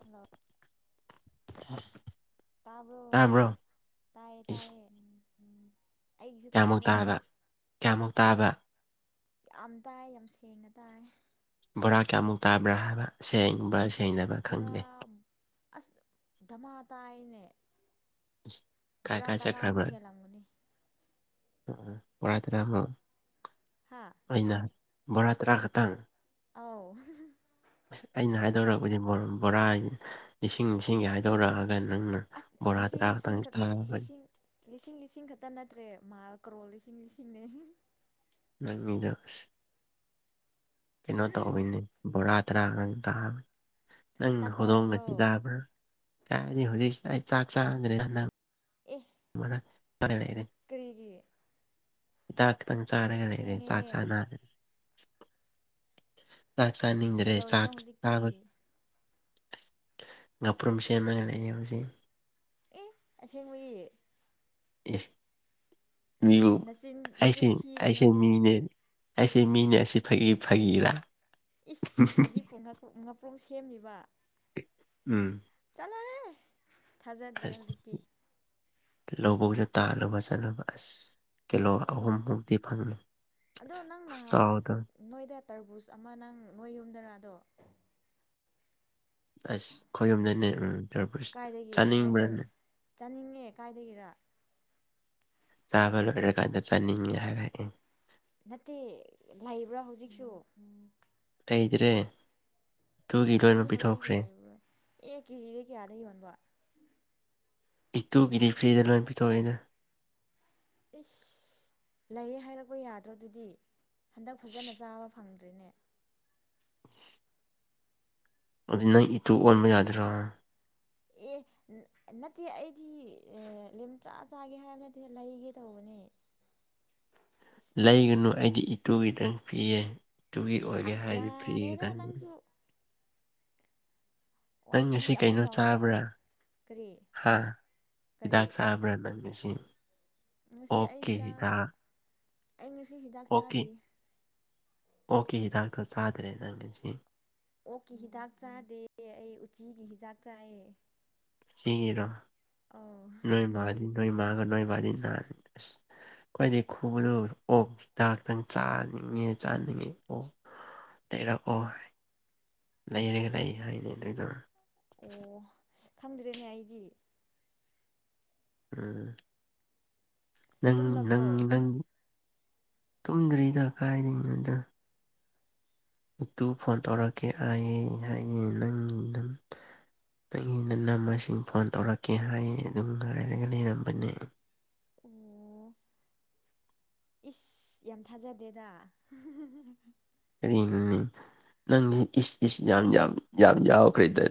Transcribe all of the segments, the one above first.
Hello ꯇꯕꯔꯣ ꯇꯥꯕ꯭ꯔꯣ ꯇꯥꯏꯌꯦ ꯏꯁ ꯇꯥꯏꯌꯦ ꯎꯝ ꯀꯌꯥꯃꯨꯛ ꯇꯥꯕ ꯀꯌꯥꯃꯨꯛ ꯇꯥꯕ ꯌꯥꯝ ꯇꯥꯏ ꯌꯥꯝ ꯁꯦꯡꯅ ꯇꯥꯏ ꯕꯣꯔꯥ ꯀꯌꯥꯃꯨꯛ ꯇꯥꯟꯕ꯭ꯔꯥ ꯍꯥꯏꯕ ꯁꯦꯡꯕ꯭ꯔ ꯁꯦꯡ ꯕꯣꯔꯥ ꯑꯁ ꯙꯃꯥ ꯇꯥꯏꯅꯦ ꯑꯁ ꯀꯥꯏ ꯕꯣꯔꯥ ꯀꯥꯏ ꯆꯠꯈ꯭ꯔꯕ ꯇꯔꯥꯃꯨꯛ ꯍꯦꯜꯂꯝꯒꯅꯤ ꯎꯝ ꯎꯝ ꯕꯣꯔꯥ ꯇꯔꯥꯃꯨꯛ ꯍꯥꯥ ꯑꯩꯅ ꯕꯣꯔꯥ ꯇ꯭ꯔꯥ ꯈꯛꯇꯪ ꯑꯥꯎ ꯑꯁ ꯑꯩꯅ ꯍꯥꯏꯗꯣꯔꯔꯕꯅꯤ ꯕꯣ-ꯕꯣꯔꯥꯏꯟ ꯂꯤꯁꯤꯡ ꯂꯤꯁꯤꯡꯒꯤ ꯍꯥꯏꯗꯣꯔꯛꯑ ꯑꯁ ꯂꯤꯁꯤꯡ ꯂꯤꯁꯤꯡ ꯈꯛ [unintelligible] ꯂꯤꯁꯤꯡ ꯂꯤꯁꯤꯡ ꯂꯤꯁꯤꯡ ꯈꯛꯇ ꯅꯠꯇ꯭ꯔꯦ ꯃꯥꯜ ꯀ꯭ꯔꯣꯔ ꯂꯤꯁꯤꯡ ꯂꯤꯁꯤꯡꯅꯦ [unintelligible] ꯀꯩꯅꯣ ꯇꯧꯕꯤꯅꯦ ꯕꯣꯔꯥ ꯇꯔꯥꯒꯪ ꯇꯥꯕꯅꯤ ꯅꯪ ꯆꯥꯛ ꯆꯥꯔꯕ꯭ꯔꯣ ꯍꯧꯗꯣꯡꯒꯁꯤ ꯇꯥꯕ꯭ꯔꯥ ꯀꯥꯏꯅꯤ ꯍꯧꯖꯤꯛꯁꯤ ꯑꯩ ꯆꯥꯛ ꯆꯥꯗ꯭ꯔꯦꯅꯅ ꯑꯦ ꯃꯔꯛ [unintelligible] ꯀꯔꯤꯒꯤ ꯏꯗꯥꯛ ꯇꯪ ꯆꯥꯔꯒꯦ ꯊꯦꯡꯉꯦꯍꯦ ꯆꯥꯛꯁꯥꯅꯅ ꯆꯥꯛ ꯆꯥꯅꯤꯡꯗꯗ꯭ꯔꯦ ꯀꯩꯗꯧꯔꯤꯅꯣ ꯆꯥꯛ ꯍꯧꯖꯤꯛꯇꯤ ꯆꯥꯕ ꯉꯥꯄ꯭ꯔꯨꯝ ꯁꯦꯝꯃꯒ ꯂꯩꯌꯦ ꯍꯧꯖꯤꯛ ꯑꯦ ꯑꯁꯦꯡꯕꯒꯤ ꯃꯤ ꯅꯆꯤꯟ ꯑꯩꯁꯦ ꯅꯆꯤꯟ ꯊꯤꯔꯅꯨ ꯑꯩꯁꯦ ꯃꯤꯅꯦ ꯑꯩꯁꯨ ꯃꯤꯅꯦ ꯑꯁꯤ ꯐꯥꯒꯤ ꯐꯥꯒꯤꯔꯥ ꯏꯁ ꯍꯧꯖꯤꯛꯄꯨ ꯉꯥꯄ꯭ꯔꯣꯝ ꯁꯦꯝꯃꯤꯕ ꯎꯝ ꯆꯂꯥꯏꯍꯦ ꯑꯁ ꯂꯧꯕꯨꯛꯇ ꯇꯥꯅꯕ ꯆꯠꯅꯕ ꯑꯁ ꯀꯤꯂꯣ ꯑꯣ ꯑꯍꯨꯝꯃꯨꯛꯇꯤ ꯐꯪꯉꯤ ꯑꯗꯣ ꯅꯪ ꯅꯍꯥꯟ ꯈꯨꯆꯥꯎꯗꯣ ꯅꯣꯏꯗ ꯇꯔꯕꯨꯖ ꯑꯃ ꯅꯪ ꯅꯣꯏ ꯌꯨꯝꯗꯔꯥꯗꯣ ꯑꯁ ꯈꯌꯨꯝꯗꯅꯦꯇꯔꯄ ꯀꯥꯏꯗꯒꯤ ꯅꯣꯏ ꯇꯔ ꯆꯥꯅꯤꯡꯕ꯭ꯔꯅꯦ ꯆꯥꯅꯤꯡꯉꯦ ꯀꯥꯏꯗꯒꯤꯔ ꯆꯥꯕ ꯂꯣꯏꯔꯀꯥꯟꯗ ꯆꯥꯅꯤꯡꯉꯦ ꯍꯥꯏꯔꯛꯑꯦ ꯅꯠꯇꯦ ꯂꯩꯕ꯭ꯔꯥ ꯍꯧꯖꯤꯛꯁꯨ ꯂꯩꯗ꯭ꯔꯦ ꯑꯣ ꯑꯗꯨꯒꯤ ꯑꯩꯗꯤ ꯑꯣꯏꯅ ꯍꯧꯖꯤꯛ ꯄꯤꯊꯣꯛꯈ꯭ꯔꯦ ꯂꯩꯔꯔꯣꯏ ꯑꯦ ꯀꯦꯖꯤꯗꯩ ꯀꯌꯥꯗꯩ ꯌꯣꯟꯕ ꯏ ꯇꯨꯒꯤꯗꯤ ꯐ꯭ꯔꯤꯗ ꯂꯣꯏꯅ ꯄꯤꯊꯣꯛꯏꯅ ꯏꯁꯁ ꯂꯩꯌꯦ ꯍꯥꯏꯔꯛꯄ ꯌꯥꯗ꯭ꯔꯣ ꯑꯗꯨꯗꯤ ꯍꯟꯗꯛ ꯐꯖꯅ ꯆꯥꯕ ꯐꯪꯗ꯭ꯔꯤꯅꯦ ꯑꯗꯨ ꯅꯪ ꯏꯇꯨ ꯑꯣꯟꯕ ꯌꯥꯗ꯭ꯔꯥ ꯑꯦ ꯅꯠꯇꯦ ꯑꯩꯗꯤ ꯂꯦꯝꯆꯥ ꯆꯥꯒꯦ ꯍꯥꯏꯕ ꯅꯠꯇꯦ ꯂꯩꯒꯦ ꯇꯧꯕꯅꯦ [inaudible] ꯏꯁ ꯂꯩꯒꯅꯨ ꯑꯩꯗꯤ ꯏꯇꯨꯒꯤꯇꯪ ꯄꯤꯌꯦ ꯏꯇꯨꯒꯤ ꯑꯁ ꯑꯣꯏꯒꯦ ꯍꯥꯏꯔꯗꯤ ꯐ꯭ꯔꯤ ꯌꯥꯔꯦꯗ ꯈꯤꯗꯪ ꯅꯪꯁꯨ ꯅꯪ ꯉꯁꯤ ꯋꯥꯊꯤ ꯑꯃꯨꯛ ꯀꯩꯅꯣ ꯇꯧꯔꯛꯑꯦ ꯆꯥꯕ꯭ꯔꯥ ꯀꯔꯤ ꯍꯥ ꯍꯤꯗꯥꯛ ꯀꯔꯤ ꯆꯥꯕ꯭ꯔꯥ ꯅꯪꯉꯁꯤ ꯉꯁꯤ ꯑꯩ ꯍꯤꯗꯥꯛ ꯑꯩ ꯁꯤ ꯍꯤꯗꯥꯛ ꯆꯥꯗ꯭ꯔꯤ ꯑꯣꯀꯤ ꯍꯤꯗꯥꯛꯇꯣ ꯆꯥꯗ꯭ꯔꯦ ꯅꯪ ꯉꯁꯤ ꯑꯣꯛꯀꯤ ꯍꯤꯗꯥꯛ ꯆꯥꯗꯦ ꯑꯩ ꯎꯆꯤꯒꯤ ꯍꯤꯗꯥꯛ ꯆꯥꯏꯌꯦ ꯁꯤꯒꯤꯔꯣ ꯑꯣ ꯅꯣꯏ ꯃꯥꯗꯤ ꯅꯣꯏ ꯃꯥꯒ ꯅꯣꯏ ꯕꯥꯗꯤ ꯅꯍꯥꯟ ꯈ꯭ꯋꯥꯏꯗꯒꯤ ꯈꯨꯕ ꯂꯨꯕꯗ ꯑꯣꯛ ꯍꯤꯗꯥꯛꯇꯪ ꯆꯥꯅꯤꯡꯉꯦ ꯆꯥꯅꯤꯡꯉꯦ ꯑꯣꯛ ꯂꯩꯔꯛꯑꯣꯏ ꯂꯩꯔꯒ ꯂꯩ ꯍꯥꯏꯅꯦ ꯑꯗꯨꯗꯣ ꯑꯣ ꯈꯪꯗ꯭ꯔꯦꯅꯦ ꯑꯩꯗꯤ ꯎ ꯅꯪ ꯅꯪ ꯇꯨꯝꯂꯕ꯭ꯔꯣ ꯅꯪ ꯇꯨꯝꯗ꯭ꯔꯤꯗ ꯀꯥꯏꯗꯩꯅꯣꯗ ꯏꯇꯨ ꯐꯣꯟ ꯇꯧꯔꯛꯀꯦ ꯑꯩꯥꯏꯌꯦ ꯍꯥꯏ ꯅꯪꯝ ꯅꯪꯒꯤ ꯅꯅꯝꯃꯁꯤꯡ ꯐꯣꯟ ꯇꯧꯔꯛꯀꯦ ꯍꯥꯏꯌꯦ ꯑꯗꯨꯝ ꯉꯥꯏꯔꯒ ꯂꯩꯔꯝꯕꯅꯦ ꯑꯣ ꯏꯁ ꯌꯥꯝ ꯊꯥꯖꯗꯦꯗ ꯀꯔꯤꯅꯣ ꯅꯪꯗꯤ ꯏꯁ ꯏꯁ ꯌꯥꯝ ꯌꯥꯝ ꯌꯥꯝ ꯌꯥꯎꯈ꯭ꯔꯦꯗ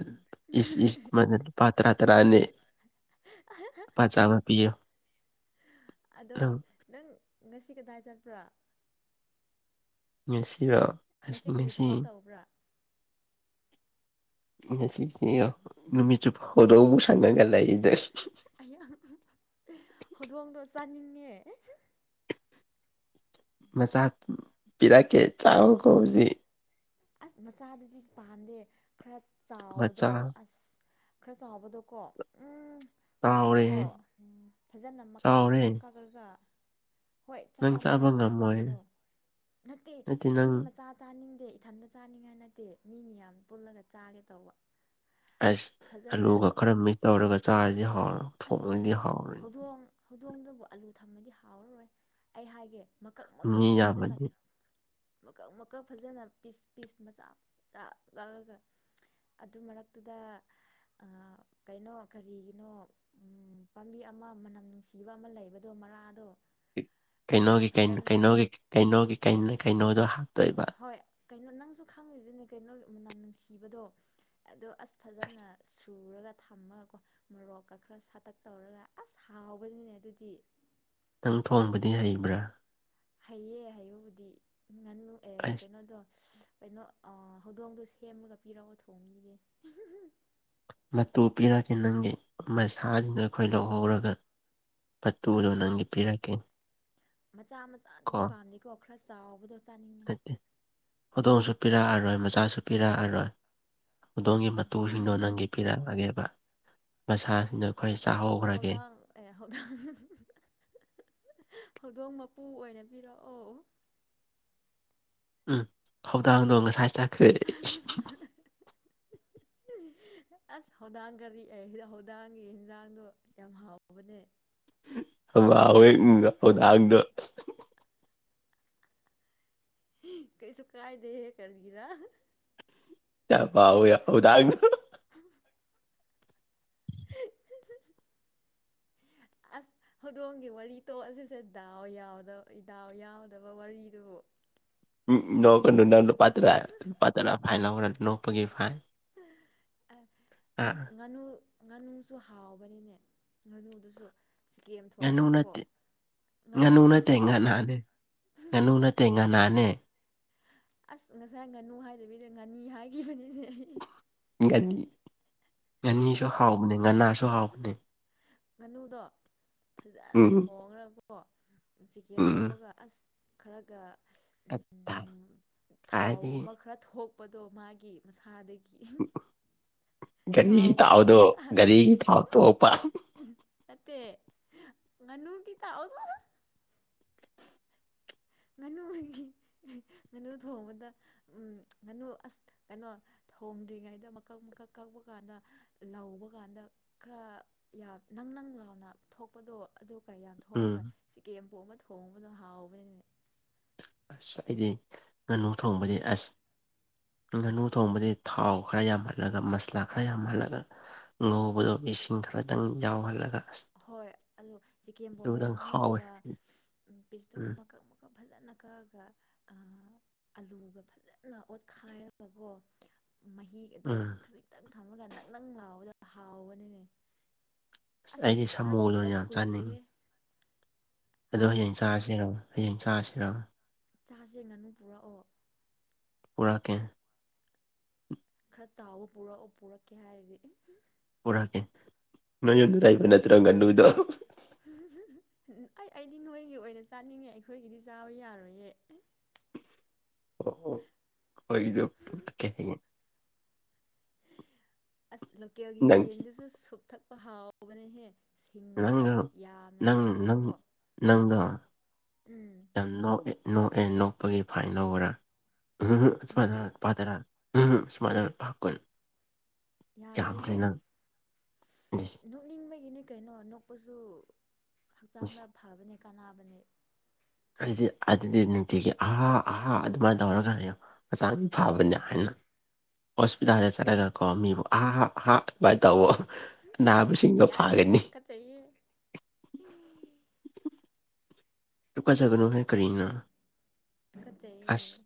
ꯏꯁ ꯏꯁ ꯂꯨꯄꯥ ꯇꯔꯥ ꯇꯔꯥꯅꯤ ꯂꯨꯄꯥ ꯆꯥꯃ ꯄꯤꯌꯣ ꯑꯗꯣ ꯅꯪ ꯅꯪ ꯉꯁꯤ ꯀꯗꯥꯏ ꯆꯠꯄ꯭ꯔꯣ ꯉꯁꯤꯔꯣ ꯀꯔꯤ ꯉꯁꯤ ꯊꯕꯛ ꯇꯧꯕ꯭ꯔꯥ ꯉꯁꯤꯁꯦ ꯉꯥꯈꯣ ꯅꯨꯃꯤꯠ ꯆꯨꯞꯄ ꯍꯧꯗꯣꯡ ꯁꯪꯉꯒ ꯂꯩꯗꯣꯏ ꯑꯩ ꯍꯧꯗꯣꯡꯗꯣ ꯆꯥꯅꯤꯡꯉꯦ ꯃꯆꯥꯛ ꯄꯤꯔꯛꯀꯦ ꯆꯥꯎꯌꯣꯀꯣ ꯍꯨꯖꯤꯛ ꯑꯁ ꯃꯆꯥꯗꯨꯗꯤ ꯄꯥꯝꯗꯦ ꯈꯔ ꯆꯥꯎꯕꯗꯣ ꯃꯆꯥ ꯑꯁ ꯈꯔ ꯆꯥꯎꯕꯗꯣꯀꯣ ꯎꯝ ꯐꯖꯅꯀꯣ ꯆꯥꯎꯔꯦ ꯎꯝ ꯐꯖꯅ ꯃꯀꯛ ꯆꯥꯎꯔꯦ ꯃꯀꯛ ꯀꯛ ꯑꯗꯨꯒꯔꯒꯥ ꯍꯣꯏ ꯅꯪ ꯆꯥꯕ ꯌꯥꯕ ꯉꯝꯃꯣꯏ ꯃꯇꯝꯗꯣ ꯅꯠꯇꯦ ꯑꯩꯗꯤ ꯃꯆꯥ ꯆꯥꯅꯤꯡꯗꯦ ꯏꯊꯟꯇ ꯆꯥꯅꯤꯡꯉꯥꯏ ꯅꯠꯇꯦ ꯃꯤ ꯃꯌꯥꯝ ꯄꯨꯜꯂꯒ ꯆꯥꯒꯦ ꯇꯧꯕ ꯑꯁ ꯐꯖꯅ ꯑꯂꯨꯒ ꯈꯔ ꯃꯤꯛꯁ ꯇꯧꯔꯒ ꯆꯥꯔꯗꯤ ꯍꯥꯎꯔ ꯑꯁ ꯍꯧꯗꯣꯡ ꯍꯧꯗꯣꯡꯗꯨꯕꯨ ꯑꯂꯨ ꯊꯝꯃꯗꯤ ꯍꯥꯎꯔꯔꯣꯏ ꯑꯩ ꯍꯥꯏꯒꯦ ꯃꯀꯛ ꯃꯀꯛ ꯃꯤ ꯐꯖꯅ ꯌꯥꯝꯃꯗꯤ ꯃꯀꯛ ꯃꯀꯛ ꯐꯖꯅ ꯄꯤꯁ ꯄꯤꯁ ꯃꯆꯥ ꯃꯆꯥ ꯂꯥꯛꯂꯒ ꯑꯗꯨ ꯃꯔꯛꯇꯨꯗ ꯀꯩꯅꯣ ꯀꯔꯤꯒꯤꯅꯣ ꯎꯝ ꯄꯥꯝꯕꯤ ꯑꯃ ꯃꯅꯝ ꯅꯨꯡꯁꯤꯕ ꯑꯃ ꯂꯩꯕꯗꯣ ꯃꯔꯥꯗꯣ ꯑꯗꯨ ꯐꯖꯅ ꯀꯩꯅꯣꯒꯤꯩꯅꯩꯅꯣꯒꯤ ꯀꯩꯅꯣꯗꯣ ꯍꯥꯞꯇꯣꯏꯕ ꯍꯣꯏ ꯀꯩꯅꯣ ꯅꯪꯁꯨ ꯈꯪꯉꯗꯨꯅꯦ ꯀꯩꯅꯣꯒꯤ ꯃꯅꯝ ꯅꯨꯡꯁꯤꯕꯗꯣ ꯑꯗꯣ ꯑꯁ ꯐꯖꯅ ꯁꯨꯔꯒ ꯊꯝꯃꯒꯀꯣ ꯃꯣꯔꯣꯛꯀ ꯈꯔ ꯁꯥꯇꯛ ꯇꯧꯔꯒ ꯑꯁ ꯍꯥꯎꯕꯅꯤꯅꯦ ꯑꯗꯨꯗꯤ ꯅꯪ ꯊꯣꯡꯕꯗꯤ ꯍꯩꯕ꯭ꯔꯥ ꯍꯩꯌꯦ ꯍꯩꯕꯕꯨꯗꯤ ꯉꯨ ꯑꯦ ꯑꯁ ꯀꯩꯅꯣꯗꯣ ꯀꯩꯅꯣ ꯑꯥ ꯍꯧꯗꯣꯡꯗꯨ ꯁꯦꯝꯂꯒ ꯄꯤꯔꯛꯑꯣ ꯊꯣꯡꯕꯤꯒꯦ ꯃꯇꯨ ꯄꯤꯔꯒꯦ ꯅꯪꯒꯤ ꯃꯁꯥꯗꯨꯅ ꯑꯩꯈꯣꯏ ꯂꯧꯍꯧꯔꯒ ꯄ ꯇꯨꯗꯣ ꯑꯁ ꯅꯪꯒꯤ ꯄꯤꯔꯛꯀꯦ ꯃꯆꯥ ꯀꯣ ꯃꯆꯥꯗꯨꯗꯤ ꯄꯥꯝꯗꯦꯀꯣ ꯈꯔ ꯆꯥꯎꯕꯗꯣ ꯆꯥꯅꯤꯡꯉꯦ ꯅꯠꯇꯦ ꯍꯧꯗꯣꯡꯁꯨ ꯄꯤꯔꯛꯑꯔꯣꯏ ꯃꯆꯥꯁꯨ ꯄꯤꯔꯛꯑꯔꯣꯏ ꯑꯗꯣꯝꯒꯤ ꯎꯝ ꯃꯇꯨꯁꯤꯡꯗꯣ ꯅꯪꯒꯤ ꯄꯤꯔꯛꯑꯒꯦꯕ ꯃꯁꯥꯁꯤꯡꯅ ꯑꯩꯈꯣꯏ ꯅꯠꯇꯦ ꯆꯥꯍꯧꯈ꯭ꯔꯒꯦ ꯍꯧꯗꯥꯡ ꯑꯦ ꯍꯧꯗꯣꯡ ꯍꯧꯗꯣꯡ ꯃꯄꯨ ꯑꯣꯏꯅ ꯄꯤꯔꯛꯑꯣ ꯎꯝ ꯈꯧꯗꯥꯡꯗꯣ ꯉꯁꯥꯏ ꯆꯠꯈ꯭ꯔꯦꯦl [unintelligible] ꯑꯁ ꯍꯧꯗꯥꯡ ꯀꯔꯤ ꯑꯦ ꯍꯧꯗꯥꯡꯒꯤ ꯌꯦꯟꯖꯥꯡꯗꯣ ꯌꯥꯝ ꯍꯥꯎꯕꯅꯦ ꯑ ꯍꯦꯛꯒ ꯍꯗꯥꯡꯗꯣ ꯀꯩꯁꯨ ꯀꯥꯏꯗꯦꯍꯦ ꯀꯔꯒꯤꯔꯥ ꯆꯄꯎ ꯌꯥꯎ ꯊꯥꯡ [unintelligible] [inaudible] ꯑꯁ ꯍꯧꯗꯣꯡꯒꯤ ꯋꯥꯔꯤ ꯇꯣꯛꯑꯁꯤꯁꯦ ꯗꯥꯎ ꯌꯥꯎꯗ ꯗꯥꯎ ꯌꯥꯎꯗꯕ ꯋꯥꯔꯤꯗꯨꯕꯨ ꯎꯝ ꯅꯣꯛꯄꯅꯨ ꯅꯪ ꯂꯨꯄꯥ ꯇꯔꯥ ꯂꯨꯄꯥ ꯇꯔꯥ ꯐꯥꯏ ꯂꯧꯈꯔ ꯅꯣꯛꯄꯒꯤ ꯐꯥꯏꯜ ꯑꯁ ꯉꯥꯅꯨ ꯉꯥꯅꯨꯁꯨ ꯍꯥꯎꯕꯅꯤꯅꯦ ꯉꯥꯅꯨꯗꯨꯁꯨ ꯆꯤꯀꯦꯝ ꯉꯥꯅꯨ ꯊꯣꯡꯉꯒꯀꯣ ꯅꯠꯇꯦ ꯉꯥꯅꯨ ꯉꯥꯅꯨꯁꯨ ꯅꯠꯇꯦ ꯍꯥꯎꯕꯅꯦ ꯉꯥꯅꯥꯅꯦ ꯉꯥꯅꯨ ꯅꯠꯇꯦ ꯉꯅꯥꯅꯦ ꯑꯁ ꯉꯁꯥꯏ ꯉꯥꯅꯨ ꯍꯥꯏꯗꯕꯤꯅꯦ ꯉꯥꯅꯤ ꯍꯥꯏꯈꯤꯕꯅꯤꯅꯦ ꯑꯩ ꯉꯥꯅꯤ ꯉꯥꯅꯤꯁꯨ ꯍꯥꯎꯕꯅꯦ ꯉꯥꯅꯁꯨ ꯍꯥꯎꯕꯅꯦ ꯉꯥꯅꯨꯗꯣ ꯐꯖꯅ ꯎꯝ ꯊꯣꯡꯉ꯭ꯔꯀꯣ ꯆꯤꯀꯦꯝ ꯎꯝ ꯄꯣꯝꯕꯒ ꯑꯁ ꯈꯔꯒ ꯇ ꯊ ꯊꯥꯎꯒꯨꯝꯕ ꯈꯔ ꯊꯣꯛꯄꯗꯣ ꯃꯥꯒꯤ ꯃꯁꯥꯗꯒꯤ ꯒꯔꯤꯒꯤ ꯊꯥꯎꯒꯨꯝꯕ ꯗꯥꯎꯗꯣ ꯒꯔꯤꯒꯤ ꯊꯥꯎ ꯇꯣꯄ ꯎ ꯅꯠꯇꯦ ꯉꯥꯅꯨꯒꯤ ꯇꯥꯛꯑꯣꯗ ꯉꯥꯅꯨꯒꯤ ꯉꯥꯅꯨ ꯊꯣꯡꯕꯗ ꯎꯝ ꯉꯥꯅꯨ ꯑꯁ ꯀꯩꯅꯣ ꯊꯣꯝꯗ꯭ꯔꯤꯉꯩꯗ ꯃꯀꯛ ꯃꯀꯛ ꯀꯛꯄ ꯀꯥꯟꯗ ꯂꯧꯕ ꯀꯥꯟꯗ ꯈꯔ ꯌꯥꯝ ꯅꯪ ꯅꯪ ꯂꯥꯎꯅ ꯊꯣꯛꯄꯗꯣ ꯑꯗꯨ ꯀꯩ ꯌꯥꯝ ꯊꯣꯛꯑꯒ ꯎꯝ ꯆꯤꯀꯦꯝꯄꯣꯛꯑ ꯑꯃ ꯊꯣꯡꯕꯗꯣ ꯍꯥꯎꯕꯅꯤꯅꯅꯦ ꯑꯁ ꯑꯩꯗꯤ ꯉꯥꯅꯨ ꯊꯣꯡꯕꯗꯤ ꯑꯁ ꯉꯥꯅꯨ ꯊꯣꯡꯕꯗꯤ ꯊꯥꯎ ꯈꯔ ꯌꯥꯝꯍꯜꯂꯒ ꯃꯁꯂꯥ ꯈꯔ ꯌꯥꯝꯍꯜꯂꯒ ꯉꯧꯕꯗꯣ ꯏꯁꯤꯡ ꯈꯔꯗꯪ ꯌꯥꯎꯍꯜꯂꯒ ꯍꯣꯏ ꯑꯗꯣ ꯆꯤꯀꯦꯟ ꯑꯗꯨꯗꯪ ꯄꯣꯡꯕꯗꯨꯁꯨ ꯍꯥꯎꯋꯦ ꯅꯠꯇꯕ ꯄꯤꯁꯇꯣ ꯎꯝ ꯃꯀꯛ ꯐꯖꯅ ꯀꯛꯑꯒ ꯑꯂꯨꯒ ꯐꯖꯅ ꯑꯣꯠꯈꯥꯏꯔꯒꯀꯣ ꯃꯍꯤ ꯑꯗꯣ ꯎꯝ ꯈꯖꯤꯛꯇꯪ ꯊꯝꯃꯒ ꯅꯪ ꯅꯪ ꯂꯥꯎꯕꯗꯣ ꯍꯥꯎꯕꯅꯤꯅꯦ ꯑꯩꯗꯤ ꯑꯁ ꯁꯥꯃꯨꯗꯣ ꯆꯥꯈꯤꯗꯕ ꯌꯥꯝ ꯀꯨꯏꯔꯦꯍꯦ꯫ ꯆꯥꯅꯤꯡꯉꯤ ꯑꯗꯣ ꯍꯥ ꯍꯌꯦꯡ ꯆꯥꯔꯁꯤꯔꯣ ꯍꯌꯦꯡ ꯆꯥꯔꯁꯤꯔꯣ ꯆꯥꯁꯦ ꯉꯥꯅꯨ ꯄꯨꯔꯛꯑꯣ ꯄꯨꯔꯥꯛꯀꯦ ꯈ꯭ꯔ ꯆꯥꯎꯕ ꯄꯨꯔꯛꯑꯣ ꯄꯨꯔꯛꯀꯦ ꯍꯥꯏꯔꯗꯤ꯫ ꯄꯨꯔꯛꯀꯦ ꯅꯣꯏꯅ ꯂꯩꯕ ꯅꯠꯇ꯭ꯔ ꯉꯥꯅꯨꯗꯣ ꯍꯨꯝ ꯍꯨꯝ ꯍꯨꯝ ꯍꯨꯝ ꯑꯩꯗꯤ ꯅꯣꯏꯒꯤ ꯑꯣꯏꯅ ꯆꯥꯅꯤꯡꯉꯦ ꯑꯩꯈꯣꯏꯒꯤꯗꯤ ꯆꯥꯕ ꯌꯥꯔꯣꯏꯌꯦ꯫ ꯑꯣꯑꯣ ꯑꯩꯈꯣꯏꯒꯤꯗꯣ ꯄꯨꯔꯛꯀꯦ ꯍꯌꯦꯡ꯫ ꯑꯁ ꯂꯣꯀꯦꯜꯒꯤ ꯅꯪ ꯌꯦꯟꯗꯨꯁꯨ ꯁꯣꯛ ꯊꯛꯄ ꯍꯥꯎꯕꯅꯦꯍꯦ ꯁꯤꯡꯒ ꯈꯔ ꯌꯥꯝꯅ ꯊꯝꯃꯒꯀꯣ ꯅꯪꯒꯥ ꯎꯝ ꯌꯥꯝ ꯅꯣꯛꯑꯦ ꯅꯣꯛꯑꯦ ꯅꯣꯛꯄꯒꯤ ꯐꯥꯏꯟ ꯂꯧꯕ꯭ꯔꯥ ꯎ ꯁꯨꯃꯥꯏꯅ ꯎꯝ ꯄꯥꯊꯔ ꯎꯝ ꯁꯨꯃꯥꯏꯅ ꯄꯞ ꯀꯣꯏꯅ ꯌꯥꯔꯣꯏꯍꯦ ꯏꯁ ꯑꯗꯨ ꯅꯣꯛꯅꯤꯡꯕꯒꯤꯅꯤ ꯀꯩꯅꯣ ꯅꯣꯛꯄꯁꯨ ꯏꯁ ꯍꯛꯆꯥꯡꯗ ꯐꯕꯅꯦ ꯀꯥꯟꯅꯕꯅꯦ ꯑꯩꯗꯤ ꯑꯗꯨꯗꯤ ꯅꯨꯡꯇꯤꯒꯤ ꯑꯍꯥ ꯑꯍꯥ ꯑꯗꯨꯃꯥꯏꯅ ꯇꯧꯔꯒꯅꯤꯣ ꯑꯁ꯭ꯌꯥꯝ ꯐꯕꯅꯤ ꯍꯥꯏꯅ ꯑꯁ ꯍꯣꯁꯄꯤꯇꯥꯜꯗ ꯆꯠꯂꯒꯀꯣ ꯃꯤꯕꯨ ꯍꯥ ꯍꯥꯥ ꯍꯥꯥ ꯚꯥꯏ ꯇꯧꯕ ꯍꯨꯝ ꯍꯨꯝ ꯌꯥꯔꯦꯑꯦ ꯇꯨꯀꯠꯆꯩꯌꯦ꯫ ꯇꯨꯀꯠꯆꯒꯅꯨꯍꯦ ꯀꯔꯤꯅꯣ ꯇꯨꯀꯠꯆꯩꯍꯦ ꯑꯁ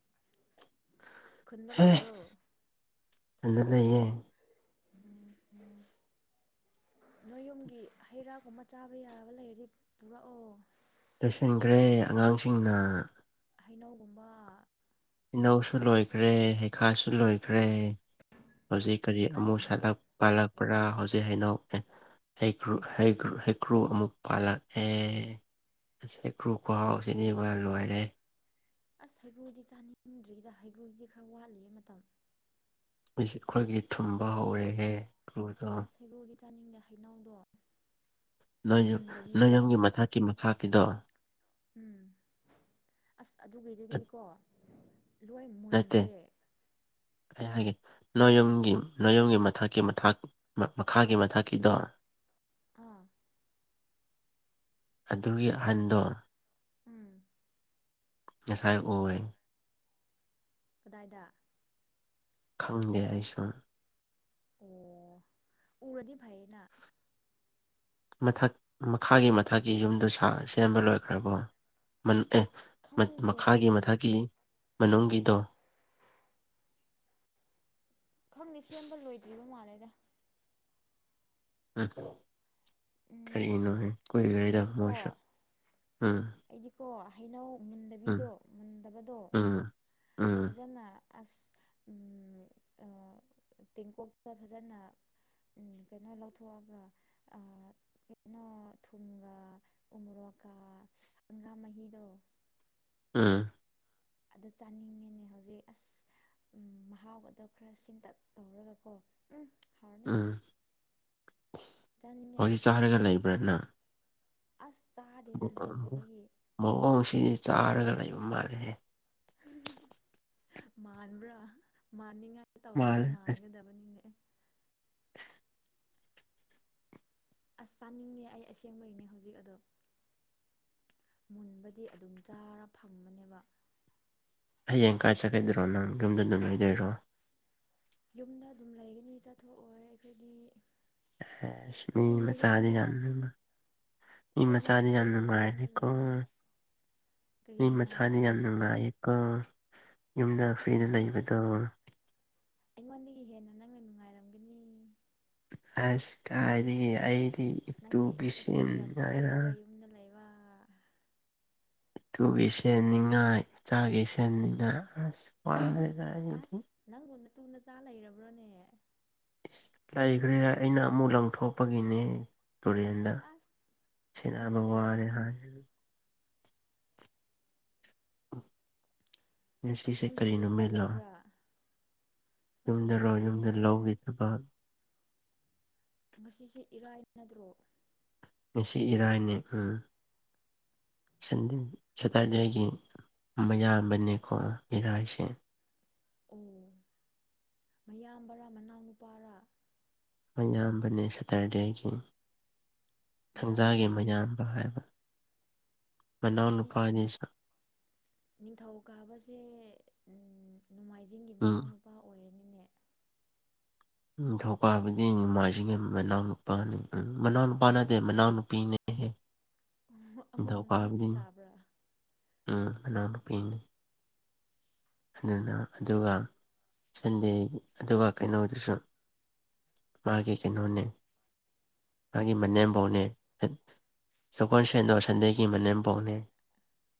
ꯈꯨꯟꯗ ꯂꯩꯕ꯭ꯔꯣ ꯑ ꯅꯥꯛꯅꯩꯌꯦ ꯎꯝ ꯎꯝ ꯅꯣꯏ ꯌꯨꯝꯒꯤ ꯍꯩ ꯔꯥꯒꯨꯝꯕ ꯆꯥꯕ ꯌꯥꯕ ꯂꯩꯔꯤ ꯄꯨꯔꯛꯑꯣ ꯂꯣꯏꯁꯤꯟꯈ꯭ꯔꯦ ꯑꯉꯥꯡꯁꯤꯡꯅ ꯍꯩꯅꯧꯒꯨꯝꯕ ꯍꯩꯅꯧꯁꯨ ꯂꯣꯏꯈ꯭ꯔꯦ ꯍꯩꯈꯥꯁꯨ ꯂꯣꯏꯈ꯭ꯔꯦ ꯍꯧꯖꯤꯛ ꯀꯔꯤ ꯑꯃꯨꯛ ꯑꯁ ꯁꯥꯠꯂꯛ ꯄꯥꯜꯂꯛꯄ꯭ꯔꯥ ꯍꯧꯖꯤꯛ ꯍꯩꯅꯧ ꯑꯦ ꯍꯩꯀ꯭ꯔꯨ ꯍꯩꯀꯔꯨ ꯍꯩꯀ꯭ꯔꯨ ꯑꯃꯨꯛ ꯄꯥꯜꯂꯛꯑꯦ ꯉꯁ ꯀ꯭ꯔꯨꯞ ꯀꯔꯥꯎꯁꯤꯅꯤ ꯃꯣꯏ ꯂꯣꯏꯔꯦ ꯑꯁ ꯍꯩꯒ꯭ꯔꯨꯗꯤ ꯆꯥꯅꯤꯡꯗ꯭ꯔꯤꯗ ꯍꯩꯒ꯭ꯔꯨꯗꯤ ꯈ꯭ꯔ ꯋꯥꯠꯂꯤꯌꯦ ꯃꯇꯝ꯫ ꯑꯩꯈꯣꯏꯒꯤ ꯊꯨꯝꯕ ꯍꯧꯔꯦꯍꯦ ꯭ꯔꯨꯗꯣ ꯊꯩꯕꯣꯡꯗꯤ ꯆꯥꯅꯤꯡꯗꯦ ꯍꯩꯅꯧꯗꯣ ꯅ ꯅꯣꯏ ꯃꯨꯟꯗꯕꯤꯗꯣ ꯌꯨꯝꯒꯤ ꯃꯊꯛꯀꯤ ꯃꯈꯥꯀꯤꯗꯣ ꯎꯝ ꯑꯁ ꯑꯗꯨꯒꯤꯗꯨꯗꯒꯤꯗꯤꯀꯣ ꯂꯣꯏ ꯅꯠꯇꯦ ꯃꯨꯟꯈ꯭ꯔꯦ ꯑꯩ ꯍꯥꯏꯒꯦ ꯅꯣꯏ ꯌꯨꯝꯒꯤ ꯅꯣꯏ ꯌꯨꯝꯒꯤ ꯃꯊꯛꯀꯤ ꯃꯊꯥꯛ ꯃꯈꯥꯒꯤ ꯃꯊꯛꯀꯤꯗꯣ ꯑꯥ ꯑꯗꯨꯒꯤ ꯑꯍꯟꯗꯣ ꯎꯝ ꯉꯁꯥꯏ ꯑꯣꯏ ꯀꯗꯥꯏꯗ ꯈꯪꯗꯦ ꯑꯩꯁꯨ꯫ ꯑꯦꯌꯥ ꯌꯥ ꯌꯥ ꯎꯔꯗꯤ ꯐꯩꯌꯦꯅ꯫ ꯃꯊꯛ ꯃꯈꯥꯒꯤ ꯃꯊꯛꯀꯤ ꯌꯨꯝꯗꯨ ꯁꯥ ꯁꯦꯝꯕ ꯂꯣꯏꯈ꯭ꯔꯕꯣ ꯃꯟ ꯑꯦ ꯈꯪꯗꯦ ꯃꯈꯥꯒꯤ ꯑꯩꯗꯤ ꯃꯊꯛꯀꯤ ꯃꯅꯨꯡꯒꯤꯗꯣ ꯈꯪꯗꯦ ꯁꯦꯝꯕ ꯂꯣꯏꯗ꯭ꯔꯤꯕ ꯃꯥꯜꯂꯦꯗ ꯎꯝ ꯎꯝ ꯀꯔꯤꯅꯣ ꯍꯥꯏ ꯀꯨꯏꯒꯔꯤꯗꯥ ꯑꯩꯗꯤꯀꯣ ꯃꯣꯏꯁꯨ ꯎꯝ ꯑꯩꯗꯤꯀꯣ ꯍꯩꯅꯧ ꯎꯝ ꯃꯨꯟꯗꯕꯤꯗꯣ ꯃꯨꯟꯗꯕꯗꯣ ꯎꯝ ꯎꯝ ꯐꯖꯅ ꯑꯁ ꯇꯦꯡꯀꯣꯛꯇ ꯐꯖꯅ ꯎꯝ ꯀꯩꯅꯣ ꯂꯧꯊꯣꯛꯑꯒ ꯑꯥ ꯀꯩꯅꯣ ꯊꯨꯝꯒꯥ ꯎꯃꯔꯣꯛꯀꯥ ꯍꯪꯒꯥꯝ ꯃꯍꯤꯗꯣ ꯎꯝ ꯑꯗꯨ ꯆꯥꯅꯤꯡꯉꯤꯅꯦ ꯍꯧꯖꯤꯛ ꯑꯁ ꯎꯝ ꯃꯍꯥꯎꯕꯗꯣ ꯈꯔ ꯁꯤꯦꯟꯇꯛ ꯇꯧꯔꯒꯀꯣ ꯎꯝ ꯍꯥꯎꯔꯅꯤ ꯎꯝ ꯆꯥꯅꯤꯡꯉꯦ ꯍꯧꯖꯤꯛ ꯆꯥꯔꯒ ꯂꯩꯕ꯭ꯔꯥ ꯅꯪ ꯑꯁ ꯆꯥꯗꯦꯗ ꯂꯩꯇꯕꯒꯤ ꯃꯑꯣꯡꯁꯤꯗꯤ ꯆꯥꯔꯒ ꯂꯩꯕ ꯃꯥꯜꯂꯦꯍꯦ ꯃꯥꯟꯕ꯭ꯔꯥ ꯃꯥꯟꯅꯤꯡꯉꯥꯏ ꯇꯧꯔꯗꯤ ꯃꯥꯜꯂꯦ ꯃꯥꯟꯒꯗꯕꯅꯤꯅꯦ ꯑꯦ [inaudible] ꯑꯁ ꯆꯥꯅꯤꯡꯉꯦ ꯑꯩ ꯑꯁꯦꯡꯕꯒꯤꯅꯦ ꯍꯧꯖꯤꯛ ꯑꯗꯣ ꯃꯨꯟꯕꯗꯤ ꯑꯗꯨꯝ ꯆꯥꯔ ꯐꯪꯕꯅꯦꯕ ꯍꯌꯦꯡ ꯀꯥꯏ ꯆꯠꯀꯗ꯭ꯔꯣ ꯅꯪ ꯌꯨꯝꯗ ꯑꯗꯨꯝꯉꯥꯏꯗꯣꯏꯔꯣ ꯌꯨꯝꯗ ꯑꯗꯨꯝ ꯂꯩꯒꯅꯤ ꯆꯠꯊꯣꯛꯑꯣꯏ ꯑꯩꯈꯣꯏꯒꯤ ꯁꯤꯅꯤ ꯃꯆꯥꯗꯤ ꯌꯥꯝ ꯂꯩꯕ ꯃꯤ ꯑꯩꯈꯣꯏꯗꯤ ꯃꯆꯥꯥꯗꯤ ꯌꯥꯝ ꯃꯤꯔꯦꯝꯅꯤꯅ ꯌꯨꯝꯗ ꯅꯨꯡꯔꯅꯤꯀꯣ ꯂꯩꯕꯅꯤ ꯀꯔꯤ ꯑꯩ ꯃꯆꯥꯗꯤ ꯅꯨꯡꯉꯥꯏꯕ ꯌꯥꯝ ꯅꯨꯡꯉꯥꯏꯌꯦꯀꯣ ꯌꯨꯝꯗ ꯏꯁ ꯐ꯭ꯔꯤꯗ ꯃꯤ ꯂꯩꯕꯗꯣ ꯑꯩꯉꯣꯟꯗꯒꯤ ꯍꯦꯟꯅ ꯅꯪꯅ ꯅꯨꯡꯉꯥꯏꯔꯝꯒꯅꯤ꯫ ꯑꯁ ꯀꯥꯏꯗꯒꯤ ꯑꯩꯗꯤ ꯏꯇꯨꯕꯤꯁꯦꯟ ꯉꯥꯏꯔ ꯌꯅ ꯂꯩꯕ ꯏꯇꯨꯒꯤ ꯁꯦꯅꯤꯡꯉꯥꯏ ꯏꯆꯥꯒꯤ ꯁꯦꯅꯤꯡꯉꯥꯏ ꯑꯁ ꯄꯗ ꯍꯥꯏꯗꯤ ꯑꯁ ꯅꯪꯕꯨ ꯅꯇꯨ ꯅꯆꯥ ꯂꯩꯔꯕ꯭ꯔꯣꯅꯦ ꯏꯁ ꯂꯩꯈ꯭ꯔꯦ ꯑꯩꯅ ꯑꯃꯨꯛ ꯂꯪꯊꯣꯛꯄꯒꯤꯅꯦ ꯇꯨꯔꯦꯟ ꯗ ꯑꯁ ꯇꯨꯈꯠꯆꯩꯗ ꯁꯤꯅꯕꯔꯦ ꯍꯥꯏꯔꯦ ꯅꯪꯗꯤ ꯀꯔꯤ ꯊꯕꯛ ꯂꯩꯕ꯭ꯔꯥ ꯌꯨꯝꯔꯣ ꯉꯁꯤꯁꯦ ꯌꯨꯝꯗ ꯂꯧꯒꯤ ꯊꯕꯛ ꯉꯁꯤꯁꯦ ꯏꯔꯥꯏꯅꯗꯇꯔꯣ ꯉꯁꯤ ꯏꯔꯥꯏꯅꯦ ꯎꯝ ꯁꯟꯗꯦ ꯁꯦꯇꯔꯗꯦꯒꯤ ꯃꯌꯥꯝꯕꯅꯦꯀꯣ ꯏꯔꯥꯏꯁꯦ꯫ ꯑꯣ ꯃꯌꯥꯝꯕꯔꯥ ꯃꯅꯥꯎꯅꯨꯄꯥꯔꯥ ꯃꯌꯥꯝꯕꯅꯦ ꯁꯇꯔꯗꯦꯒꯤ ꯊꯥꯡꯖꯥꯒꯤ ꯃꯅꯥꯎꯅꯨꯄꯥꯗꯤ ꯃꯌꯥꯝꯕ ꯍꯥꯏꯕ ꯃꯅꯥꯎ ꯅꯨꯄꯥ ꯑꯅꯤ ꯁꯥ ꯅꯤꯡꯊꯧ ꯀꯥꯕꯁꯦ ꯅꯣꯡꯃꯥꯏꯖꯤꯡꯒꯤ ꯎꯝ ꯃꯅꯥꯎꯅꯨꯄꯥ ꯑꯣꯏꯔꯅꯤꯅꯦ ꯅꯤꯡꯊꯧꯀꯥꯕꯅꯦ ꯅꯣꯡꯃꯥꯏꯖꯤꯡꯒꯤ ꯃꯅꯥꯎꯅꯨꯄꯥꯅꯤ ꯎꯝ ꯃꯅꯥꯎ ꯅꯨꯄꯥ ꯅꯠꯇꯦ ꯃꯅꯥꯎꯅꯨꯄꯤꯅꯦ ꯍꯦ꯫ ꯑꯃꯨꯛ ꯃꯅꯥꯎꯅꯨꯄꯤ ꯅꯤꯡꯊꯧꯀꯥꯕꯗꯤ ꯇꯥꯕ꯭ꯔꯥ ꯎꯝ ꯃꯅꯥꯎꯅꯨꯄꯤꯅꯤ꯫ ꯑꯗꯨꯅ ꯑꯗꯨꯒ ꯁꯟꯗꯦ ꯑꯗꯨꯒ ꯀꯩꯅꯣꯗꯨꯁꯨ ꯃꯥꯒꯤ ꯀꯩꯅꯣꯅꯦ ꯃꯥꯒꯤ ꯀꯔꯤ ꯃꯅꯦꯝꯕꯧꯅꯦ ꯁꯒꯣꯜ ꯁꯦꯟꯗꯣ ꯁꯟꯗꯩꯒꯤ ꯃꯅꯦꯝꯕꯧꯅꯦ